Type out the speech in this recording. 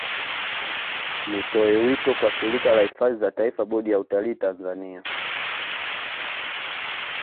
Nitoe wito kwa Shirika la Hifadhi za Taifa Bodi ya Utalii Tanzania